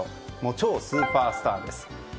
超スーパースターです。